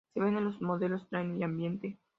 Se vende en los modelos Trend y Ambiente.